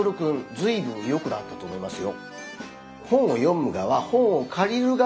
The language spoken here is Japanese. ずいぶんよくなったと思いますよ。